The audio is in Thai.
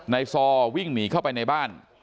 ซอวิ่งหนีเข้าไปในบ้าน